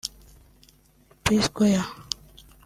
P-Square